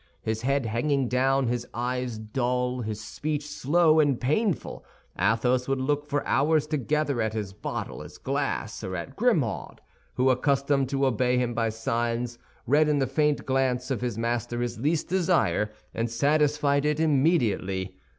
His head hanging down, his eye dull, his speech slow and painful, Athos would look for hours together at his bottle, his glass, or at Grimaud, who, accustomed to obey him by signs, read in the faint glance of his master his least desire, and satisfied it immediately.